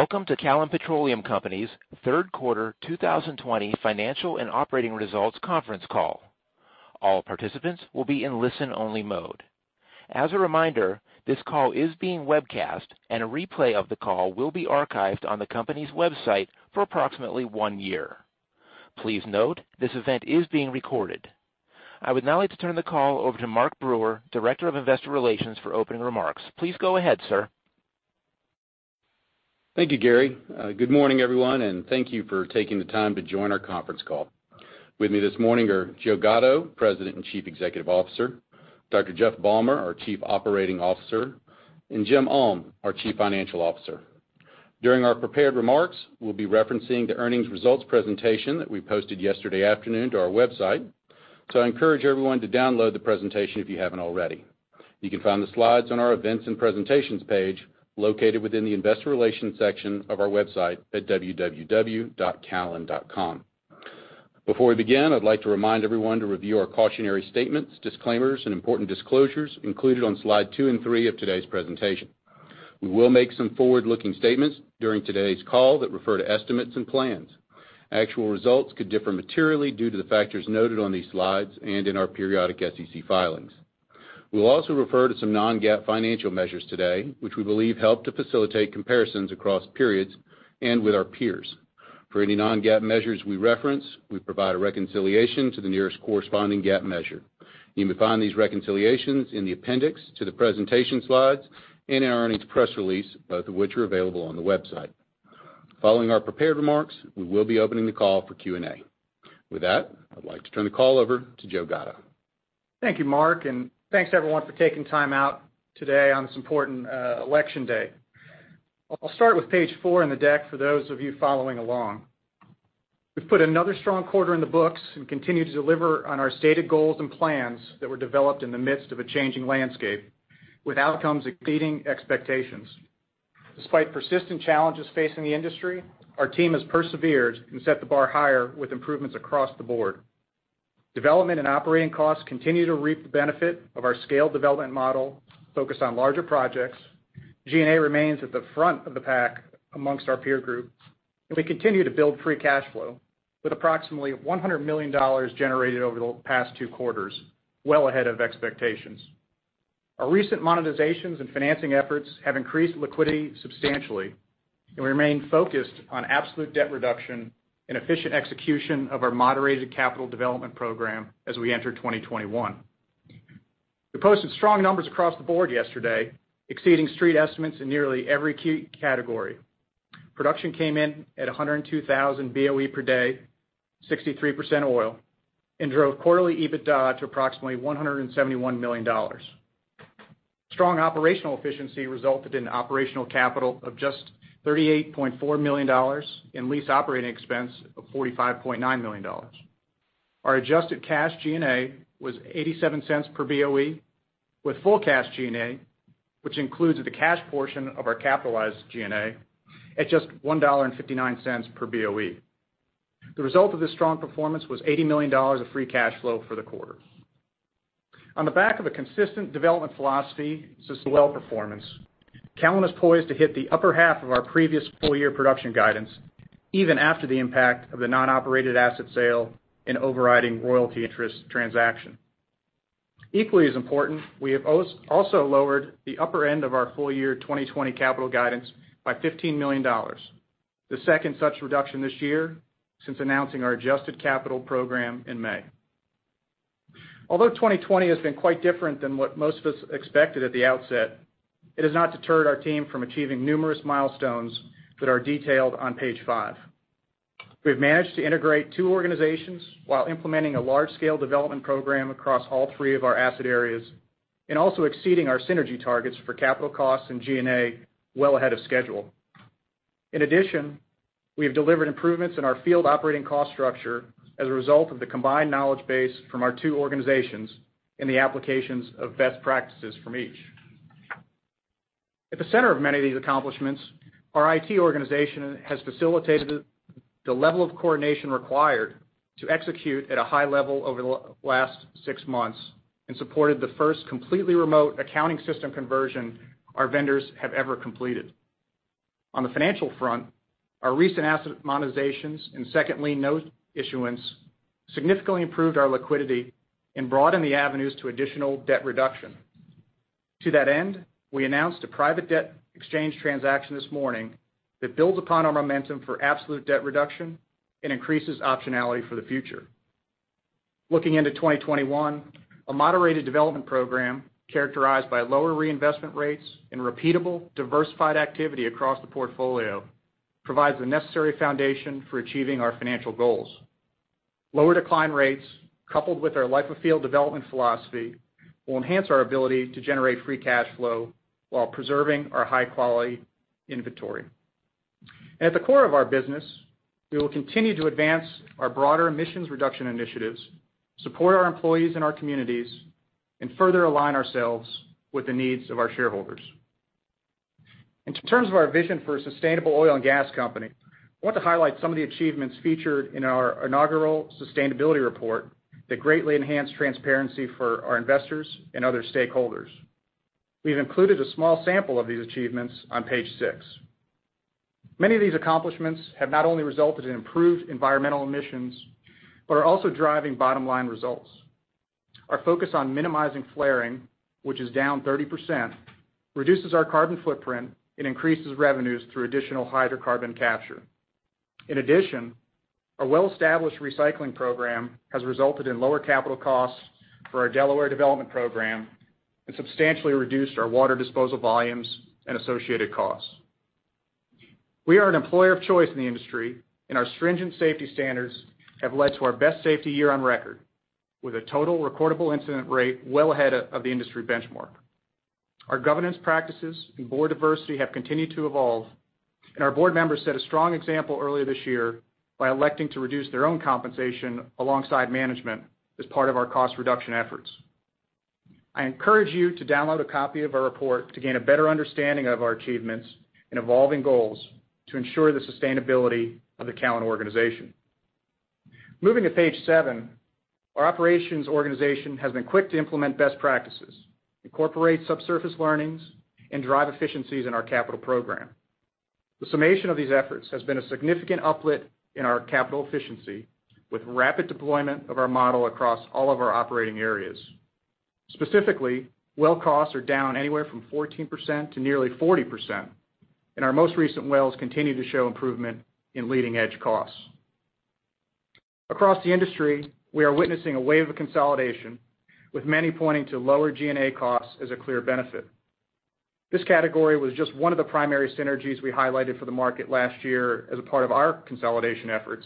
Welcome to Callon Petroleum Company's third-quarter 2020 financial and operating results conference call. All participants will be in listen-only mode. As a reminder, this call is being webcast, and a replay of the call will be archived on the company's website for approximately one year. Please note, this event is being recorded. I would now like to turn the call over to Mark Brewer, Director of Investor Relations, for opening remarks. Please go ahead, sir. Thank you, Gary. Good morning, everyone, and thank you for taking the time to join our conference call. With me this morning are Joe Gatto, President and Chief Executive Officer, Dr. Jeff Balmer, our Chief Operating Officer, and Jim Ulm, our Chief Financial Officer. During our prepared remarks, we will be referencing the earnings results presentation that we posted yesterday afternoon to our website. I encourage everyone to download the presentation if you haven't already. You can find the slides on our Events and Presentations page, located within the Investor Relations section of our website at www.callon.com. Before we begin, I'd like to remind everyone to review our cautionary statements, disclaimers, and important disclosures included on slide two and slide three of today's presentation. We will make some forward-looking statements during today's call that refer to estimates and plans. Actual results could differ materially due to the factors noted on these slides and in our periodic SEC filings. We'll also refer to some non-GAAP financial measures today, which we believe help to facilitate comparisons across periods and with our peers. For any non-GAAP measures we reference, we provide a reconciliation to the nearest corresponding GAAP measure. You may find these reconciliations in the appendix to the presentation slides and in our earnings press release, both of which are available on the website. Following our prepared remarks, we will be opening the call for Q&A. With that, I'd like to turn the call over to Joe Gatto. Thank you, Mark, and thanks, everyone, for taking time out today on this important election day. I'll start with page four in the deck for those of you following along. We've put another strong quarter in the books and continue to deliver on our stated goals and plans that were developed in the midst of a changing landscape, with outcomes exceeding expectations. Despite persistent challenges facing the industry, our team has persevered and set the bar higher with improvements across the board. Development and operating costs continue to reap the benefit of our scaled development model focused on larger projects. G&A remains at the front of the pack amongst our peer group, and we continue to build free cash flow, with approximately $100 million generated over the past two quarters, well ahead of expectations. Our recent monetizations and financing efforts have increased liquidity substantially, and we remain focused on absolute debt reduction and efficient execution of our moderated capital development program as we enter 2021. We posted strong numbers across the board yesterday, exceeding street estimates in nearly every key category. Production came in at 102,000 BOE per day, 63% oil, and drove quarterly EBITDA to approximately $171 million. Strong operational efficiency resulted in operational capital of just $38.4 million and lease operating expense of $45.9 million. Our adjusted cash G&A was $0.87 per BOE, with full cash G&A, which includes the cash portion of our capitalized G&A, at just $1.59 per BOE. The result of this strong performance was $80 million of free cash flow for the quarter. On the back of a consistent development philosophy, well performance, Callon is poised to hit the upper half of our previous full-year production guidance, even after the impact of the non-operated asset sale and overriding royalty interest transaction. Equally as important, we have also lowered the upper end of our full-year 2020 capital guidance by $15 million, the second such reduction this year since announcing our adjusted capital program in May. Although 2020 has been quite different than what most of us expected at the outset, it has not deterred our team from achieving numerous milestones that are detailed on page five. We've managed to integrate two organizations while implementing a large-scale development program across all three of our asset areas, and also exceeding our synergy targets for capital costs and G&A well ahead of schedule. In addition, we have delivered improvements in our field operating cost structure as a result of the combined knowledge base from our two organizations and the applications of best practices from each. At the center of many of these accomplishments, our IT organization has facilitated the level of coordination required to execute at a high level over the last six months and supported the first completely remote accounting system conversion our vendors have ever completed. On the financial front, our recent asset monetizations and second lien note issuance significantly improved our liquidity and broadened the avenues to additional debt reduction. To that end, we announced a private debt exchange transaction this morning that builds upon our momentum for absolute debt reduction and increases optionality for the future. Looking into 2021, a moderated development program characterized by lower reinvestment rates and repeatable, diversified activity across the portfolio provides the necessary foundation for achieving our financial goals. Lower decline rates, coupled with our life of field development philosophy, will enhance our ability to generate free cash flow while preserving our high-quality inventory. At the core of our business, we will continue to advance our broader emissions reduction initiatives, support our employees and our communities, and further align ourselves with the needs of our shareholders. In terms of our vision for a sustainable oil and gas company, I want to highlight some of the achievements featured in our inaugural sustainability report that greatly enhance transparency for our investors and other stakeholders. We've included a small sample of these achievements on page six. Many of these accomplishments have not only resulted in improved environmental emissions, but are also driving bottom-line results. Our focus on minimizing flaring, which is down 30%, reduces our carbon footprint and increases revenues through additional hydrocarbon capture. In addition, our well-established recycling program has resulted in lower capital costs for our Delaware development program and substantially reduced our water disposal volumes and associated costs. We are an employer of choice in the industry, and our stringent safety standards have led to our best safety year on record, with a total recordable incident rate well ahead of the industry benchmark. Our governance practices and board diversity have continued to evolve, and our board members set a strong example earlier this year by electing to reduce their own compensation alongside management as part of our cost reduction efforts. I encourage you to download a copy of our report to gain a better understanding of our achievements and evolving goals to ensure the sustainability of the Callon organization. Moving to page seven, our operations organization has been quick to implement best practices, incorporate subsurface learnings, and drive efficiencies in our capital program. The summation of these efforts has been a significant uplift in our capital efficiency, with rapid deployment of our model across all of our operating areas. Specifically, well costs are down anywhere from 14% to nearly 40%, and our most recent wells continue to show improvement in leading-edge costs. Across the industry, we are witnessing a wave of consolidation, with many pointing to lower G&A costs as a clear benefit. This category was just one of the primary synergies we highlighted for the market last year as a part of our consolidation efforts,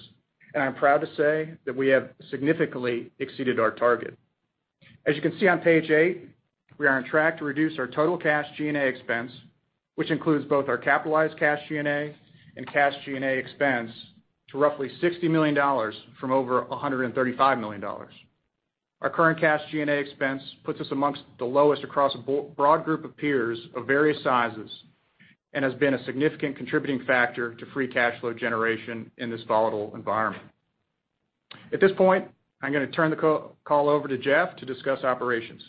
and I'm proud to say that we have significantly exceeded our target. As you can see on page eight, we are on track to reduce our total cash G&A expense, which includes both our capitalized cash G&A and cash G&A expense, to roughly $60 million from over $135 million. Our current cash G&A expense puts us amongst the lowest across a broad group of peers of various sizes and has been a significant contributing factor to free cash flow generation in this volatile environment. At this point, I'm going to turn the call over to Jeff to discuss operations.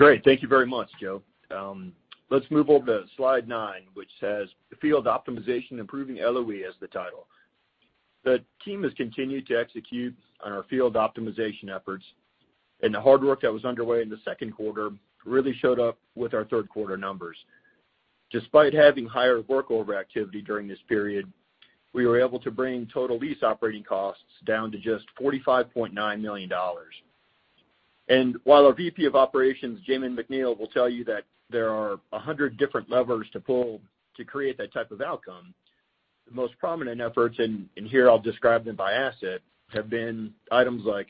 Great. Thank you very much, Joe. Let's move over to slide nine, which says Field Optimization: Improving LOE as the title. The team has continued to execute on our field optimization efforts. The hard work that was underway in the second quarter really showed up with our third-quarter numbers. Despite having higher workover activity during this period, we were able to bring total lease operating costs down to just $45.9 million. While our VP of Operations, Jamin McNeil, will tell you that there are 100 different levers to pull to create that type of outcome, the most prominent efforts, and here I'll describe them by asset, have been items like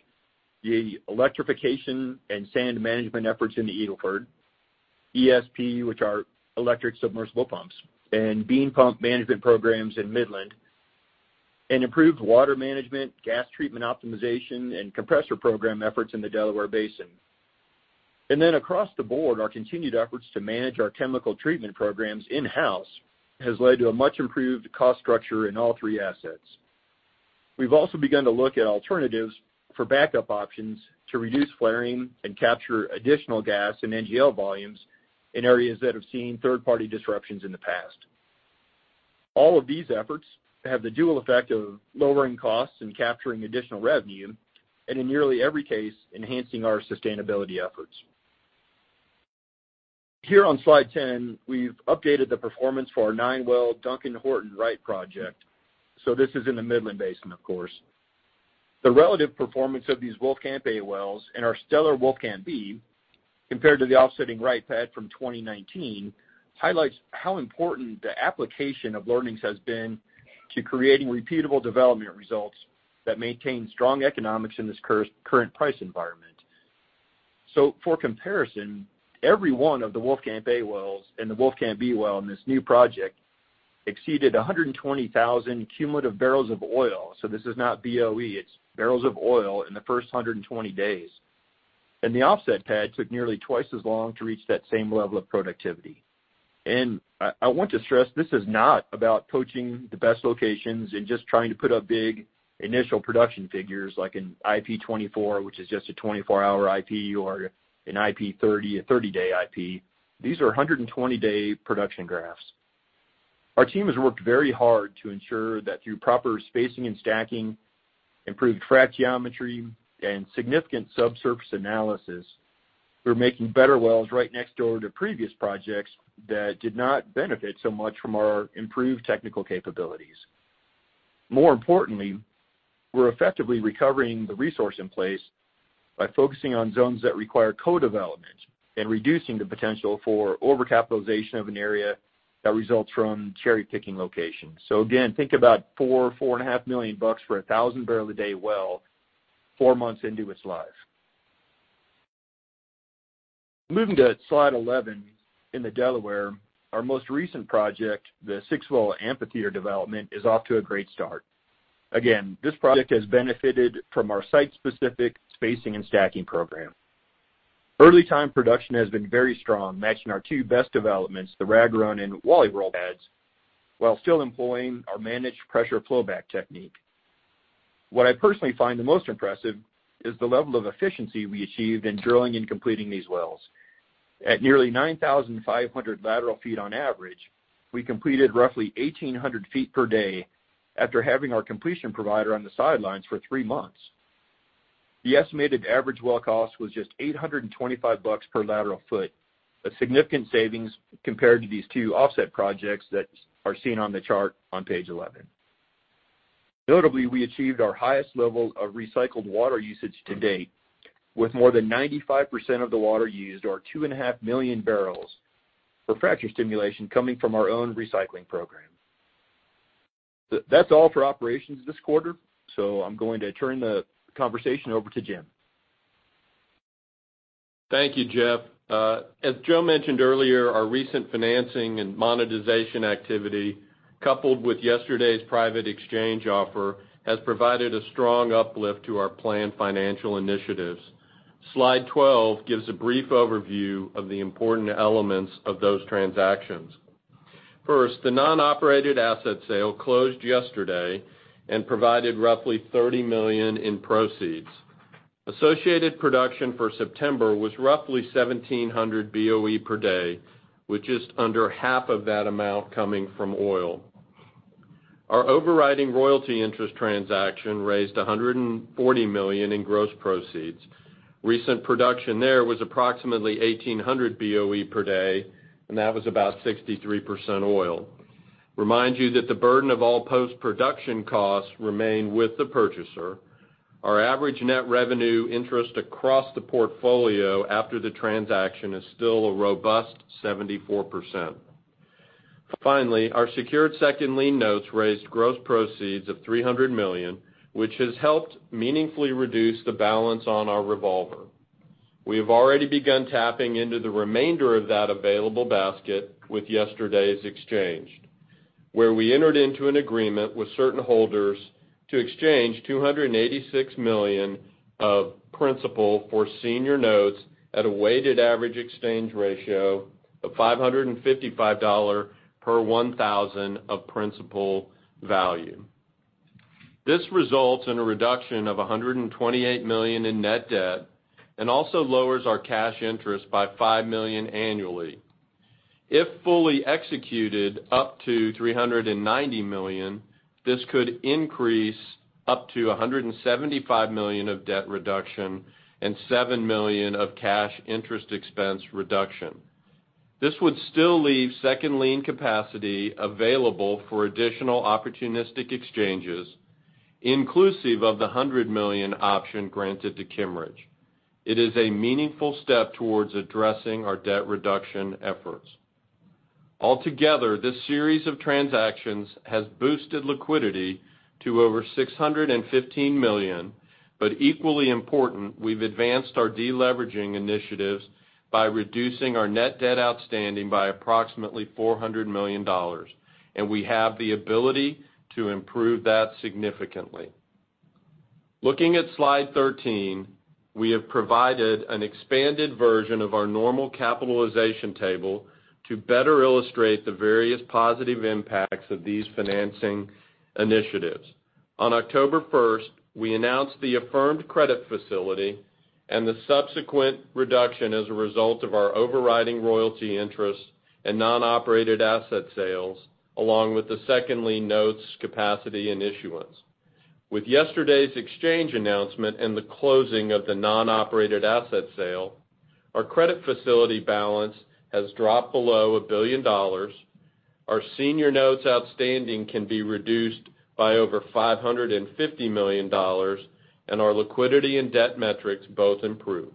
the electrification and sand management efforts in the Eagle Ford, ESP, which are electric submersible pumps, and beam pump management programs in Midland, and improved water management, gas treatment optimization, and compressor program efforts in the Delaware Basin. Across the board, our continued efforts to manage our chemical treatment programs in-house has led to a much-improved cost structure in all three assets. We've also begun to look at alternatives for backup options to reduce flaring and capture additional gas and NGL volumes in areas that have seen third-party disruptions in the past. All of these efforts have the dual effect of lowering costs and capturing additional revenue, and in nearly every case, enhancing our sustainability efforts. Here on slide 10, we've updated the performance for our nine-well Duncan Horton Wright project. This is in the Midland Basin, of course. The relative performance of these Wolfcamp A wells and our stellar Wolfcamp B, compared to the offsetting Wright pad from 2019, highlights how important the application of learnings has been to creating repeatable development results that maintain strong economics in this current price environment. For comparison, every one of the Wolfcamp A wells and the Wolfcamp B well in this new project exceeded 120,000 cumulative barrels of oil. This is not BOE, it's barrels of oil in the first 120 days. The offset pad took nearly twice as long to reach that same level of productivity. I want to stress this is not about poaching the best locations and just trying to put up big initial production figures like an IP 24, which is just a 24-hour IP, or an IP 30, a 30-day IP. These are 120-day production graphs. Our team has worked very hard to ensure that through proper spacing and stacking, improved frac geometry, and significant subsurface analysis, we're making better wells right next door to previous projects that did not benefit so much from our improved technical capabilities. More importantly, we're effectively recovering the resource in place by focusing on zones that require co-development and reducing the potential for overcapitalization of an area that results from cherry-picking locations. Again, think about $4 million, $4.5 million for 1,000 bbl a day well, four months into its life. Moving to slide 11, in the Delaware, our most recent project, the six-well Amphitheatre development, is off to a great start. Again, this project has benefited from our site-specific spacing and stacking program. Early time production has been very strong, matching our two best developments, the Rag Run and Wally World pads, while still employing our managed pressure flowback technique. What I personally find the most impressive is the level of efficiency we achieved in drilling and completing these wells. At nearly 9,500 lateral feet on average, we completed roughly 1,800 ft per day after having our completion provider on the sidelines for three months. The estimated average well cost was just $825 per lateral foot, a significant savings compared to these two offset projects that are seen on the chart on page 11. Notably, we achieved our highest level of recycled water usage to date, with more than 95% of the water used, or 2.5 million barrels for fracture stimulation coming from our own recycling program. That's all for operations this quarter. I'm going to turn the conversation over to Jim. Thank you, Jeff. As Joe mentioned earlier, our recent financing and monetization activity, coupled with yesterday's private exchange offer, has provided a strong uplift to our planned financial initiatives. Slide 12 gives a brief overview of the important elements of those transactions. First, the non-operated asset sale closed yesterday and provided roughly $30 million in proceeds. Associated production for September was roughly 1,700 BOE per day, with just under half of that amount coming from oil. Our overriding royalty interest transaction raised $140 million in gross proceeds. Recent production there was approximately 1,800 BOE per day, and that was about 63% oil. Remind you that the burden of all post-production costs remain with the purchaser. Our average net revenue interest across the portfolio after the transaction is still a robust 74%. Finally, our secured second lien notes raised gross proceeds of $300 million, which has helped meaningfully reduce the balance on our revolver. We have already begun tapping into the remainder of that available basket with yesterday's exchange, where we entered into an agreement with certain holders to exchange $286 million of principal for senior notes at a weighted average exchange ratio of $555 per 1,000 of principal value. This results in a reduction of $128 million in net debt and also lowers our cash interest by $5 million annually. If fully executed up to $390 million, this could increase up to $175 million of debt reduction and $7 million of cash interest expense reduction. This would still leave second lien capacity available for additional opportunistic exchanges, inclusive of the $100 million option granted to Kimmeridge. It is a meaningful step towards addressing our debt reduction efforts. Altogether, this series of transactions has boosted liquidity to over $615 million. Equally important, we've advanced our deleveraging initiatives by reducing our net debt outstanding by approximately $400 million. We have the ability to improve that significantly. Looking at slide 13, we have provided an expanded version of our normal capitalization table to better illustrate the various positive impacts of these financing initiatives. On October 1st, we announced the affirmed credit facility and the subsequent reduction as a result of our overriding royalty interest and non-operated asset sales, along with the second lien notes capacity and issuance. With yesterday's exchange announcement and the closing of the non-operated asset sale, our credit facility balance has dropped below $1 billion. Our senior notes outstanding can be reduced by over $550 million, and our liquidity and debt metrics both improve.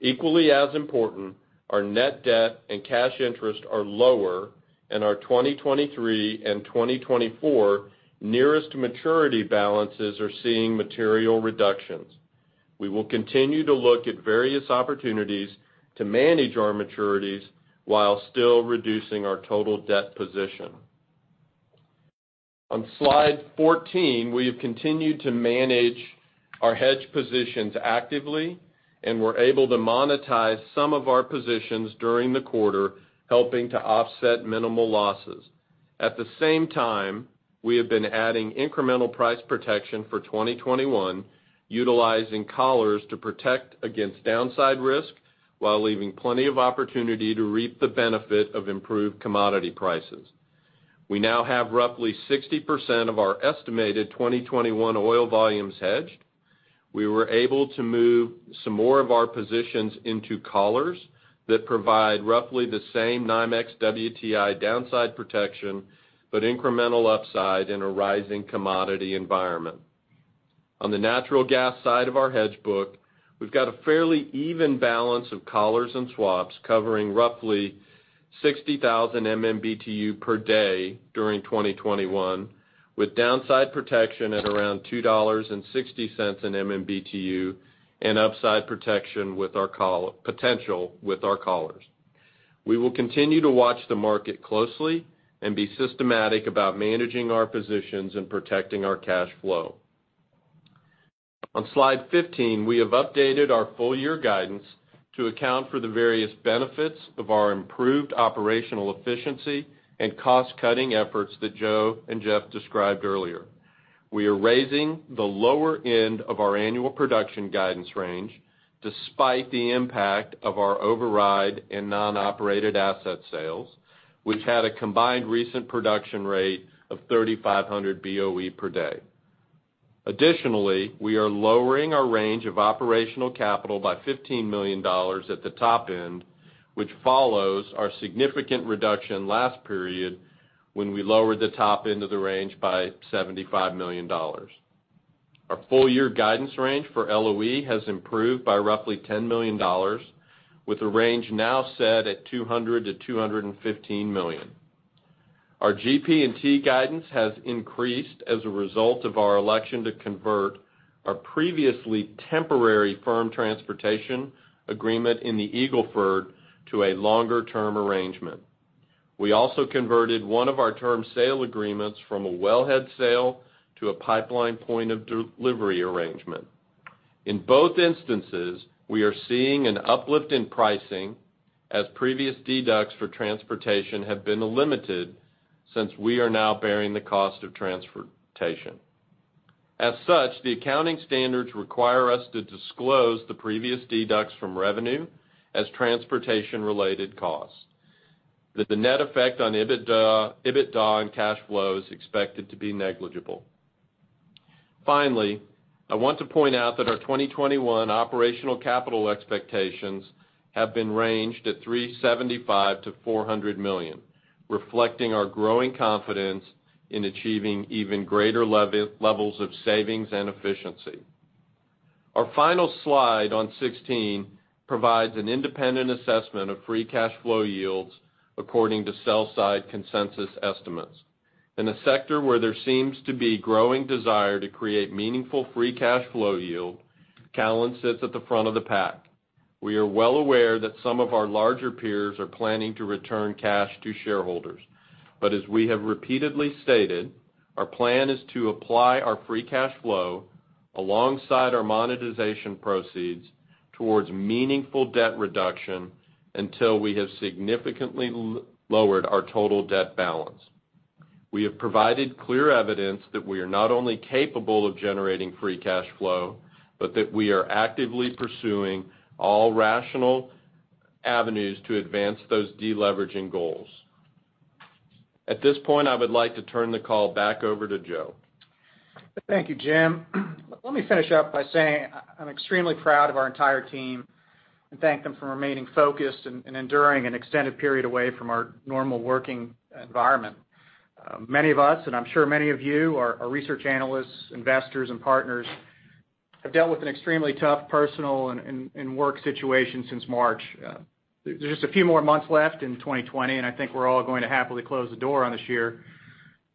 Equally as important, our net debt and cash interest are lower, and our 2023 and 2024 nearest maturity balances are seeing material reductions. We will continue to look at various opportunities to manage our maturities while still reducing our total debt position. On slide 14, we have continued to manage our hedge positions actively, and were able to monetize some of our positions during the quarter, helping to offset minimal losses. At the same time, we have been adding incremental price protection for 2021, utilizing collars to protect against downside risk while leaving plenty of opportunity to reap the benefit of improved commodity prices. We now have roughly 60% of our estimated 2021 oil volumes hedged. We were able to move some more of our positions into collars that provide roughly the same NYMEX WTI downside protection, but incremental upside in a rising commodity environment. On the natural gas side of our hedge book, we've got a fairly even balance of collars and swaps covering roughly 60,000 MMBtu per day during 2021, with downside protection at around $2.60 in MMBtu and upside protection potential with our collars. We will continue to watch the market closely and be systematic about managing our positions and protecting our cash flow. On slide 15, we have updated our full-year guidance to account for the various benefits of our improved operational efficiency and cost-cutting efforts that Joe and Jeff described earlier. We are raising the lower end of our annual production guidance range despite the impact of our override and non-operated asset sales, which had a combined recent production rate of 3,500 BOE per day. Additionally, we are lowering our range of operational capital by $15 million at the top end, which follows our significant reduction last period when we lowered the top end of the range by $75 million. Our full-year guidance range for LOE has improved by roughly $10 million, with the range now set at $200 million-$215 million. Our GP&T guidance has increased as a result of our election to convert our previously temporary firm transportation agreement in the Eagle Ford to a longer-term arrangement. We also converted one of our term sale agreements from a wellhead sale to a pipeline point-of-delivery arrangement. In both instances, we are seeing an uplift in pricing as previous deducts for transportation have been limited since we are now bearing the cost of transportation. As such, the accounting standards require us to disclose the previous deducts from revenue as transportation-related costs. The net effect on EBITDA and cash flow is expected to be negligible. Finally, I want to point out that our 2021 operational capital expectations have been ranged at $375 million-$400 million, reflecting our growing confidence in achieving even greater levels of savings and efficiency. Our final slide on 16 provides an independent assessment of free cash flow yields according to sell-side consensus estimates. In a sector where there seems to be growing desire to create meaningful free cash flow yield, Callon sits at the front of the pack. We are well aware that some of our larger peers are planning to return cash to shareholders. As we have repeatedly stated, our plan is to apply our free cash flow alongside our monetization proceeds towards meaningful debt reduction until we have significantly lowered our total debt balance. We have provided clear evidence that we are not only capable of generating free cash flow, but that we are actively pursuing all rational avenues to advance those deleveraging goals. At this point, I would like to turn the call back over to Joe. Thank you, Jim. Let me finish up by saying I'm extremely proud of our entire team and thank them for remaining focused and enduring an extended period away from our normal working environment. Many of us, and I'm sure many of you, our research analysts, investors, and partners, have dealt with an extremely tough personal and work situation since March. There's just a few more months left in 2020, and I think we're all going to happily close the door on this year.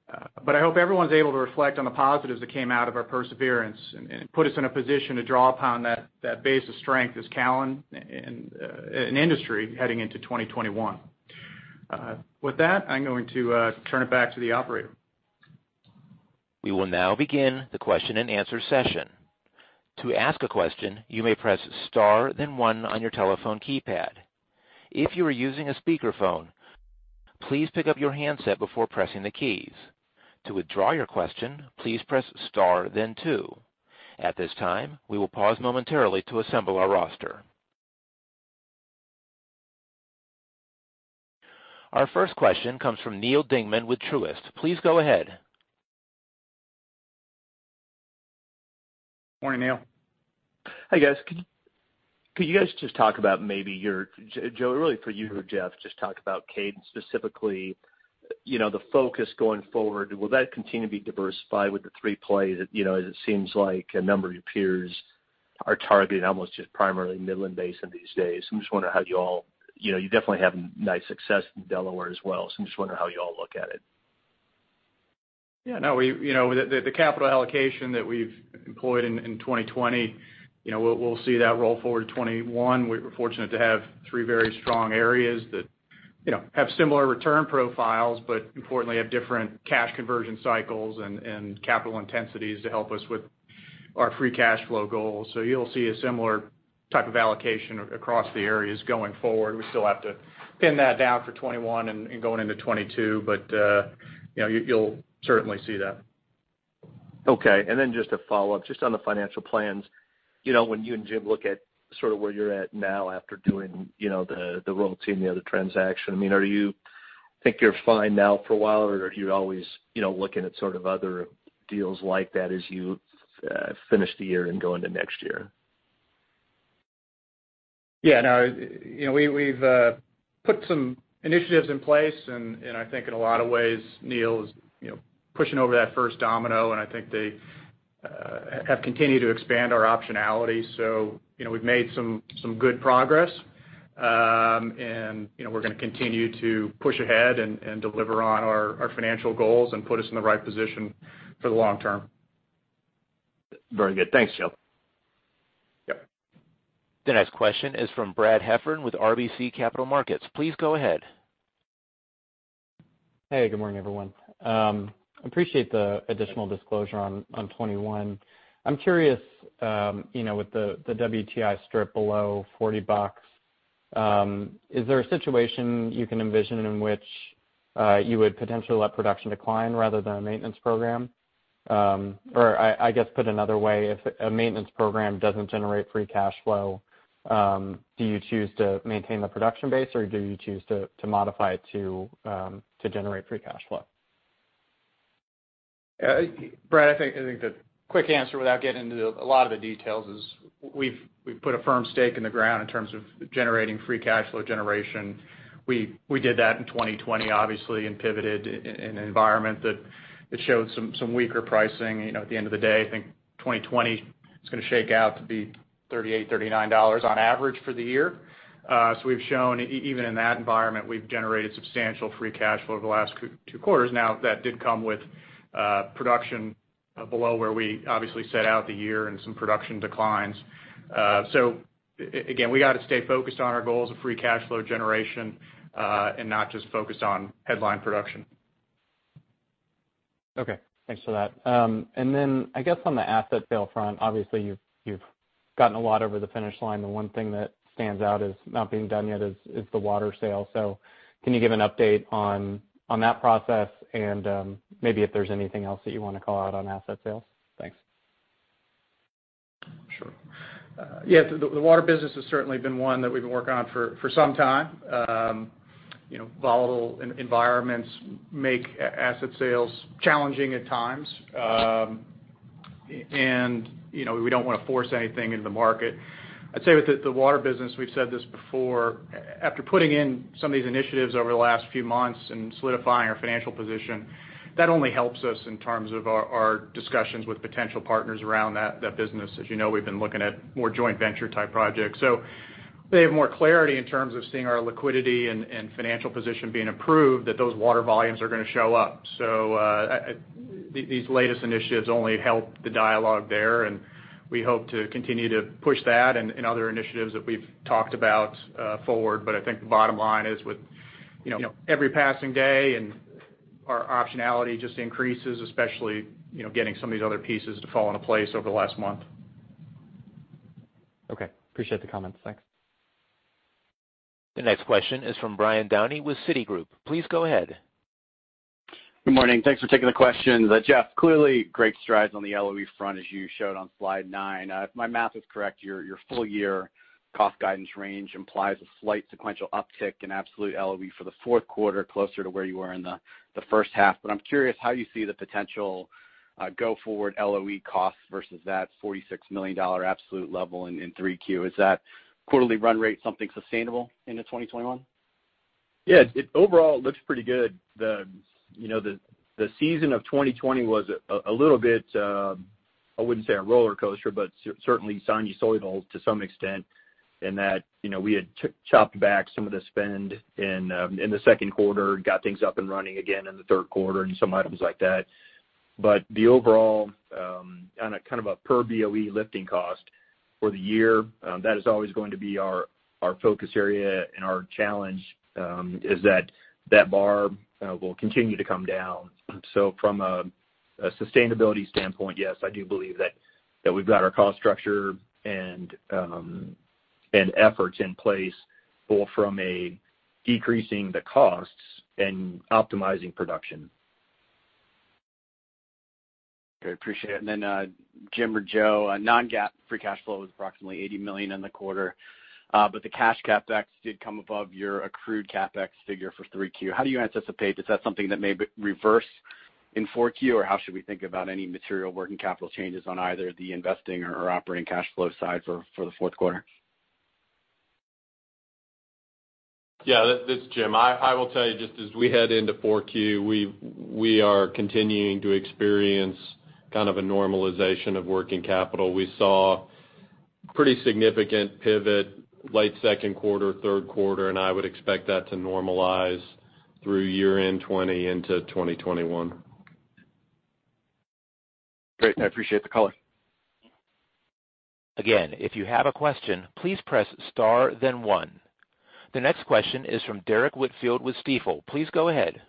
I hope everyone's able to reflect on the positives that came out of our perseverance and put us in a position to draw upon that base of strength as Callon, an industry heading into 2021. With that, I'm going to turn it back to the operator. We will now begin the question-and-answer session. To ask a question, you may press star then one on your telephone keypad. If you are using a speakerphone, please pick up your handset before pressing the keys. To withdraw your question, please press star then two. At this time, we will pause momentarily to assemble our roster. Our first question comes from Neal Dingmann with Truist. Please go ahead. Morning, Neal. Hi, guys. Could you guys just talk about maybe Joe, really for you or Jeff, just talk about cadence specifically, the focus going forward. Will that continue to be diversified with the three plays? It seems like a number of your peers are targeting almost just primarily Midland Basin these days. You definitely have nice success in Delaware as well. I'm just wondering how you all look at it. Yeah. The capital allocation that we've employed in 2020, we'll see that roll forward to 2021. We're fortunate to have three very strong areas that have similar return profiles, but importantly have different cash conversion cycles and capital intensities to help us with our free cash flow goals. You'll see a similar type of allocation across the areas going forward. We still have to pin that down for 2021 and going into 2022. You'll certainly see that. Okay. Just a follow-up, just on the financial plans. When you and Jim look at sort of where you're at now after doing the royalty and the other transaction, think you're fine now for a while, or are you always looking at sort of other deals like that as you finish the year and go into next year? Yeah. We've put some initiatives in place, and I think in a lot of ways, Neal, is pushing over that first domino, and I think they have continued to expand our optionality. We've made some good progress. We're going to continue to push ahead and deliver on our financial goals and put us in the right position for the long term. Very good. Thanks, Joe. Yep. The next question is from Brad Heffern with RBC Capital Markets. Please go ahead. Hey, good morning, everyone. Appreciate the additional disclosure on 21. I'm curious, with the WTI strip below $40, is there a situation you can envision in which you would potentially let production decline rather than a maintenance program? I guess put another way, if a maintenance program doesn't generate free cash flow, do you choose to maintain the production base or do you choose to modify it to generate free cash flow? Brad, I think the quick answer, without getting into a lot of the details is, we've put a firm stake in the ground in terms of generating free cash flow generation. We did that in 2020, obviously, and pivoted in an environment that showed some weaker pricing. At the end of the day, I think 2020 is going to shake out to be $38, $39 on average for the year. We've shown even in that environment, we've generated substantial free cash flow over the last two quarters. Now, that did come with production below where we obviously set out the year and some production declines. Again, we got to stay focused on our goals of free cash flow generation, and not just focused on headline production. Okay. Thanks for that. I guess on the asset sale front, obviously you've gotten a lot over the finish line. The one thing that stands out as not being done yet is the water sale. Can you give an update on that process and maybe if there's anything else that you want to call out on asset sales? Thanks. Sure. Yeah, the water business has certainly been one that we've been working on for some time. Volatile environments make asset sales challenging at times. We don't want to force anything into market. I'd say with the water business, we've said this before, after putting in some of these initiatives over the last few months and solidifying our financial position, that only helps us in terms of our discussions with potential partners around that business. As you know, we've been looking at more joint venture-type projects. They have more clarity in terms of seeing our liquidity and financial position being improved, that those water volumes are going to show up. These latest initiatives only help the dialogue there, and we hope to continue to push that and other initiatives that we've talked about forward. I think the bottom line is with every passing day and our optionality just increases, especially getting some of these other pieces to fall into place over the last month. Okay. Appreciate the comments. Thanks. The next question is from Brian Downey with Citigroup. Please go ahead. Good morning. Thanks for taking the questions. Jeff, clearly great strides on the LOE front as you showed on slide nine. If my math is correct, your full-year cost guidance range implies a slight sequential uptick in absolute LOE for the fourth quarter, closer to where you were in the first half. I'm curious how you see the potential go forward LOE cost versus that $46 million absolute level in 3Q. Is that quarterly run rate something sustainable into 2021? Yeah. It overall looks pretty good. The season of 2020 was a little bit, I wouldn't say a roller coaster, but certainly soggy soil to some extent in that we had chopped back some of the spend in the second quarter, got things up and running again in the third quarter and some items like that. The overall, on a kind of a per BOE lifting cost for the year, that is always going to be our focus area and our challenge, is that that bar will continue to come down. From a sustainability standpoint, yes, I do believe that we've got our cost structure and efforts in place, both from a decreasing the costs and optimizing production. Great. Appreciate it. Jim or Joe, non-GAAP free cash flow was approximately $80 million in the quarter. The cash CapEx did come above your accrued CapEx figure for 3Q. How do you anticipate, is that something that may reverse in 4Q, or how should we think about any material working capital changes on either the investing or operating cash flow side for the fourth quarter? Yeah. This is Jim. I will tell you, just as we head into 4Q, we are continuing to experience kind of a normalization of working capital. We saw pretty significant pivot late second quarter, third quarter, and I would expect that to normalize through year-end 2020 into 2021. Great. I appreciate the color. Again, if you have a question, please press star then one. The next question is from Derrick Whitfield with Stifel. Please go ahead.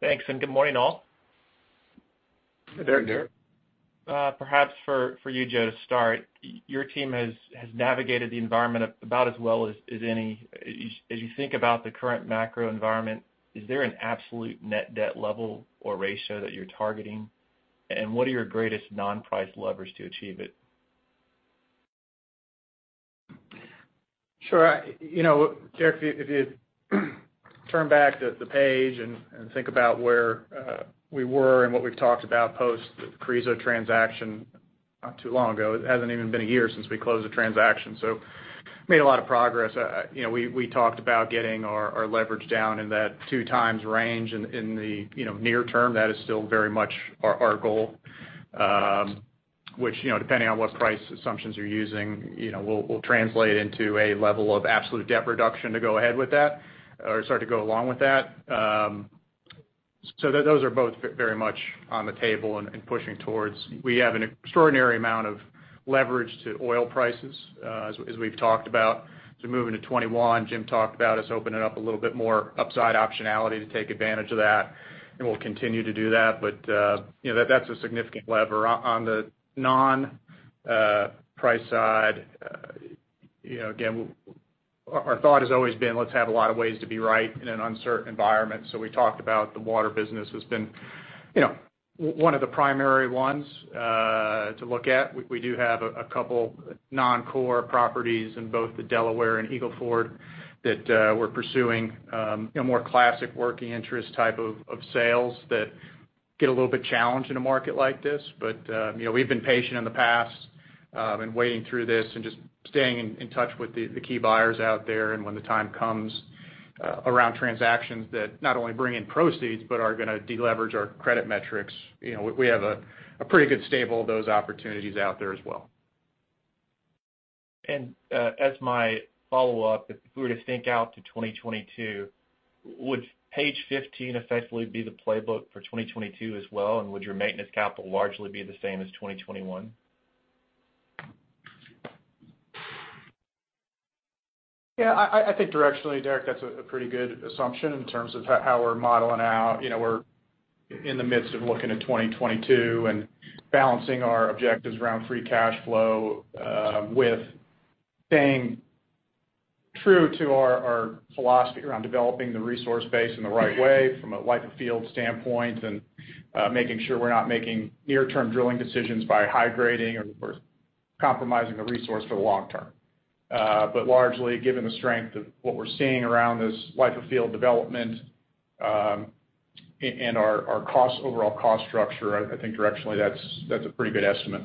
Thanks, and good morning, all. Hey, Derrick. Hey, Derrick. Perhaps for you, Joe, to start. Your team has navigated the environment about as well as any. As you think about the current macro environment, is there an absolute net debt level or ratio that you're targeting? What are your greatest non-price levers to achieve it? Sure. Derrick, if you turn back the page and think about where we were and what we've talked about post Carrizo transaction not too long ago, it hasn't even been a year since we closed the transaction. Made a lot of progress. We talked about getting our leverage down in that 2x range in the near term. That is still very much our goal. Depending on what price assumptions you're using, will translate into a level of absolute debt reduction to go ahead with that or start to go along with that. Those are both very much on the table and pushing towards. We have an extraordinary amount of leverage to oil prices, as we've talked about. Moving to 2021, Jim talked about us opening up a little bit more upside optionality to take advantage of that, and we'll continue to do that. That's a significant lever. On the non-price side, again, our thought has always been, let's have a lot of ways to be right in an uncertain environment. We talked about the water business has been one of the primary ones to look at. We do have a couple non-core properties in both the Delaware and Eagle Ford that we're pursuing a more classic working interest type of sales that get a little bit challenged in a market like this. We've been patient in the past and wading through this and just staying in touch with the key buyers out there. When the time comes around transactions that not only bring in proceeds but are going to deleverage our credit metrics, we have a pretty good stable of those opportunities out there as well. As my follow-up, if we were to think out to 2022, would page 15 effectively be the playbook for 2022 as well? Would your maintenance capital largely be the same as 2021? Yeah, I think directionally, Derrick, that's a pretty good assumption in terms of how we're modeling out. We're in the midst of looking at 2022 and balancing our objectives around free cash flow, with staying true to our philosophy around developing the resource base in the right way from a life of field standpoint, and making sure we're not making near-term drilling decisions by high-grading or compromising the resource for the long term. Largely, given the strength of what we're seeing around this life of field development, and our overall cost structure, I think directionally that's a pretty good estimate.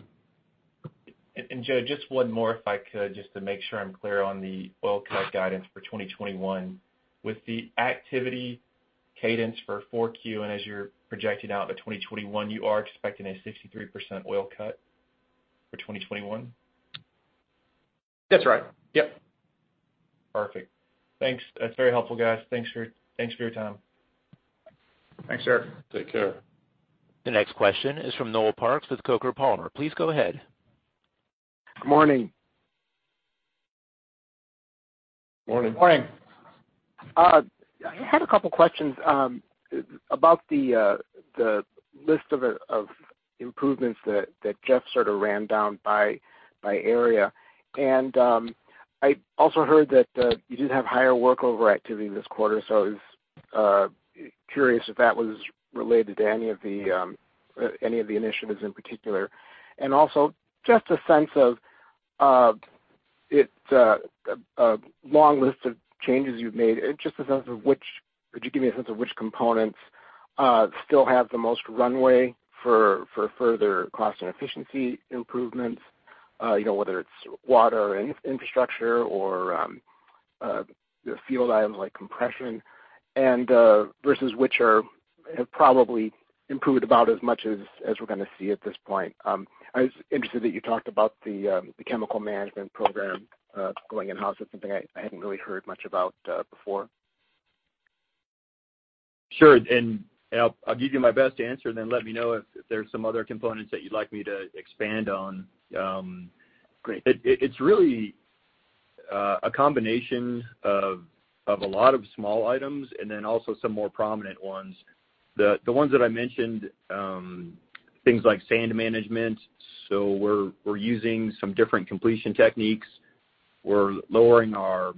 Joe, just one more, if I could, just to make sure I'm clear on the oil cut guidance for 2021. With the activity cadence for 4Q, and as you're projecting out by 2021, you are expecting a 63% oil cut for 2021? That's right. Yep. Perfect. Thanks. That's very helpful, guys. Thanks for your time. Thanks, Derrick. Take care. The next question is from Noel Parks with Coker & Palmer. Please go ahead. Good morning. Morning. Morning. I had a couple questions about the list of improvements that Jeff sort of ran down by area. I also heard that you did have higher workover activity this quarter, so I was curious if that was related to any of the initiatives in particular. Also just a sense of, it's a long list of changes you've made. Could you give me a sense of which components still have the most runway for further cost and efficiency improvements? Whether it's water infrastructure or the field items like compression, and versus which have probably improved about as much as we're going to see at this point. I was interested that you talked about the chemical management program going in-house. That's something I hadn't really heard much about before. Sure. I'll give you my best answer, and then let me know if there's some other components that you'd like me to expand on. Great. It's really a combination of a lot of small items and then also some more prominent ones. The ones that I mentioned, things like sand management. We're using some different completion techniques. We're lowering our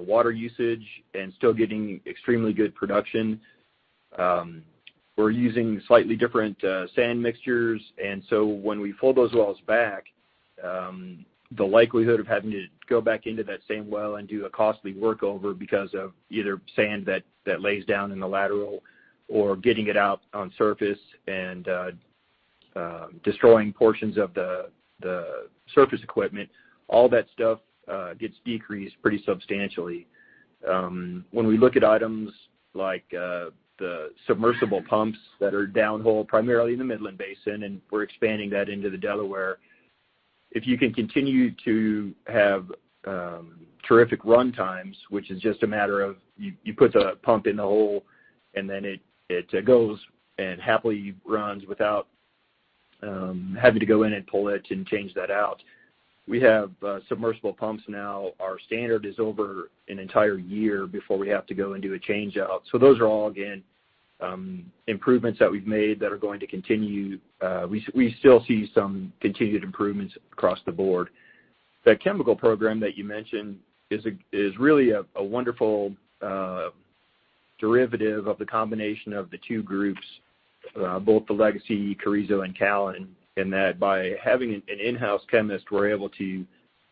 water usage and still getting extremely good production. We're using slightly different sand mixtures, when we pull those wells back, the likelihood of having to go back into that same well and do a costly workover because of either sand that lays down in the lateral or getting it out on surface and destroying portions of the surface equipment, all that stuff gets decreased pretty substantially. When we look at items like the submersible pumps that are downhole, primarily in the Midland Basin, and we're expanding that into the Delaware. If you can continue to have terrific run times, which is just a matter of you put the pump in the hole, and then it goes and happily runs without having to go in and pull it and change that out. We have submersible pumps now. Our standard is over an entire year before we have to go and do a change-out. Those are all, again, improvements that we've made that are going to continue. We still see some continued improvements across the board. The chemical program that you mentioned is really a wonderful derivative of the combination of the two groups, both the legacy Carrizo and Callon, in that by having an in-house chemist, we're able to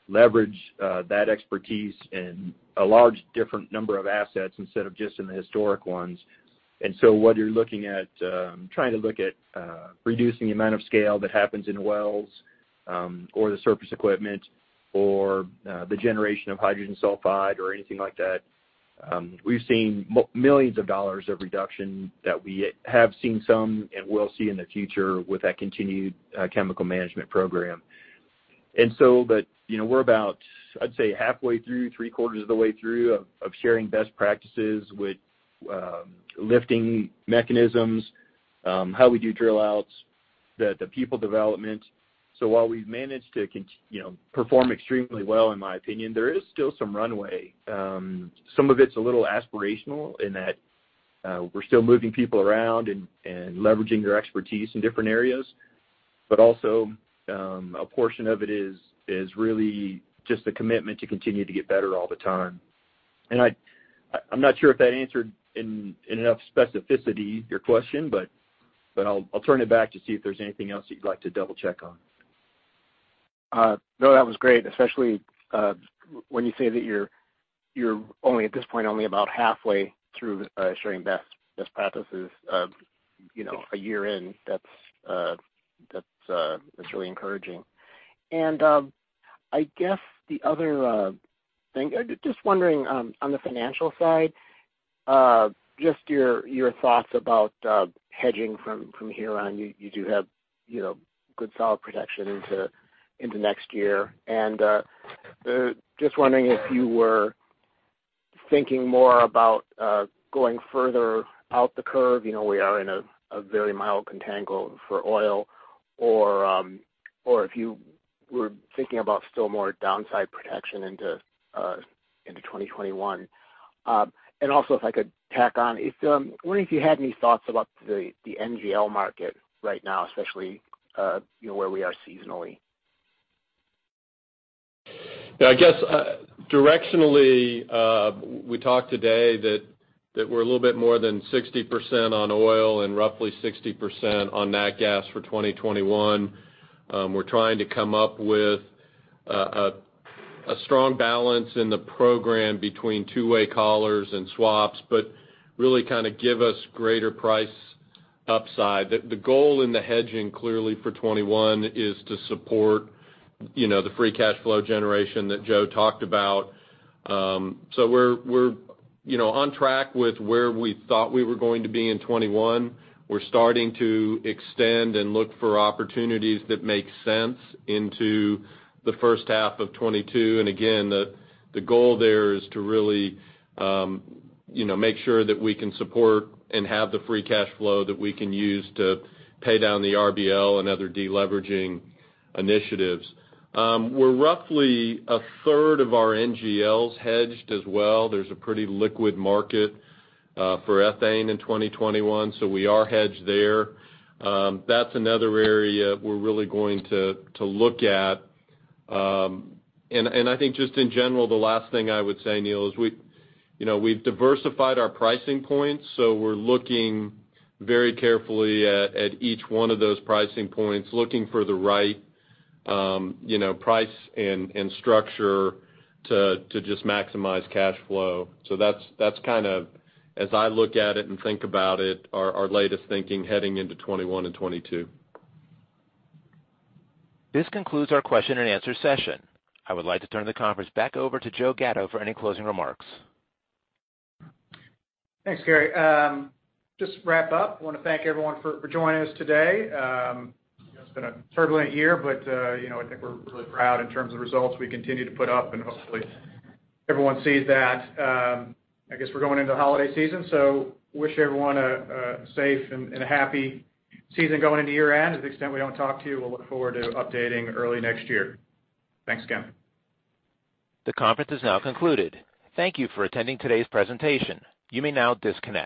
leverage that expertise in a large different number of assets instead of just in the historic ones. What you're looking at, trying to look at reducing the amount of scale that happens in wells or the surface equipment, or the generation of hydrogen sulfide or anything like that. We've seen millions of dollars of reduction that we have seen some and will see in the future with that continued chemical management program. We're about, I'd say, halfway through, three-quarters of the way through of sharing best practices with lifting mechanisms, how we do drill outs, the people development. While we've managed to perform extremely well in my opinion, there is still some runway. Some of it's a little aspirational in that we're still moving people around and leveraging their expertise in different areas. Also, a portion of it is really just a commitment to continue to get better all the time. I'm not sure if that answered in enough specificity your question, but I'll turn it back to see if there's anything else that you'd like to double-check on. That was great, especially when you say that you're only at this point about halfway through sharing best practices a year in. That's so encouraging. I guess the other thing, just wondering on the financial side, just your thoughts about hedging from here on. You do have good solid protection into next year. Just wondering if you were thinking more about going further out the curve. We are in a very mild contango for oil. If you were thinking about still more downside protection into 2021. Also, if I could tack on, I was wondering if you had any thoughts about the NGL market right now, especially where we are seasonally. Yeah, I guess directionally we talked today that we're a little bit more than 60% on oil and roughly 60% on natural gas for 2021. We're trying to come up with a strong balance in the program between two-way collars and swaps, but really kind of give us greater price upside. The goal in the hedging clearly for 2021 is to support the free cash flow generation that Joe talked about. We're on track with where we thought we were going to be in 2021. We're starting to extend and look for opportunities that make sense into the first half of 2022. Again, the goal there is to really make sure that we can support and have the free cash flow that we can use to pay down the RBL and other deleveraging initiatives. We're roughly 1/3 of our NGLs hedged as well. There's a pretty liquid market for ethane in 2021. We are hedged there. That's another area we're really going to look at. I think just in general, the last thing I would say, Neal, is we've diversified our pricing points. We're looking very carefully at each one of those pricing points, looking for the right price and structure to just maximize cash flow. That's kind of, as I look at it and think about it, our latest thinking heading into 2021 and 2022. This concludes our question-and-answer session. I would like to turn the conference back over to Joe Gatto for any closing remarks. Thanks, Gary. Just to wrap up, I want to thank everyone for joining us today. It's been a turbulent year, but I think we're really proud in terms of results we continue to put up and hopefully everyone sees that. I guess we're going into the holiday season, so wish everyone a safe and a happy season going into year-end. To the extent we don't talk to you, we'll look forward to updating early next year. Thanks again. The conference is now concluded. Thank you for attending today's presentation. You may now disconnect.